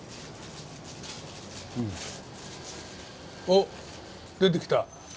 おっ出てきた。